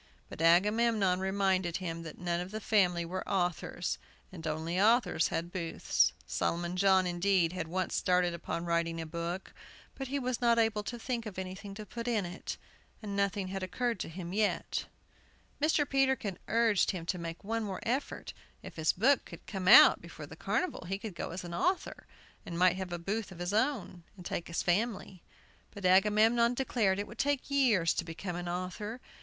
But Agamemnon reminded him that none of the family were authors, and only authors had booths. Solomon John, indeed, had once started upon writing a book, but he was not able to think of anything to put in it, and nothing had occurred to him yet. Mr. Peterkin urged him to make one more effort. If his book could come out before the carnival he could go as an author, and might have a booth of his own, and take his family. But Agamemnon declared it would take years to become an author.